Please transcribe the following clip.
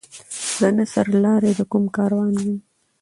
زه نه سر لاری د کوم کاروان یم